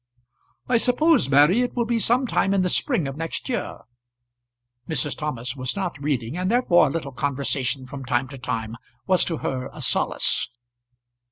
"I suppose, Mary, it will be some time in the spring of next year." Mrs. Thomas was not reading, and therefore a little conversation from time to time was to her a solace.